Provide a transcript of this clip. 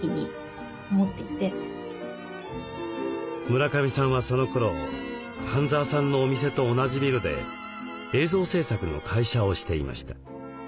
村上さんはそのころ半澤さんのお店と同じビルで映像制作の会社をしていました。